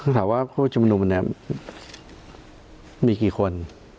ถามว่าผู้ชุมนุมเนี่ยมีกี่คน